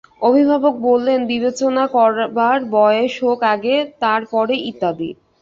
অভিভাবক বলেন, বিবেচনা করবার বয়েস হোক আগে, তার পরে ইত্যাদি।